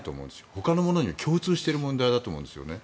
ほかのものに共通している問題だと思うんですね。